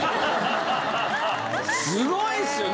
すごいですよね